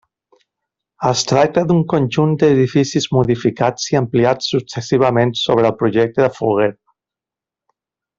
Es tracta d'un conjunt d'edificis modificats i ampliats successivament sobre el projecte de Folguera.